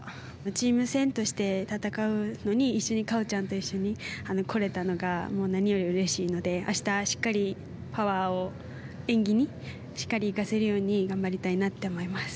チーム戦として戦うのにカオちゃんと一緒に来れたのが何よりうれしいので明日しっかりパワーを、演技にしっかり生かせるように頑張りたいなと思います。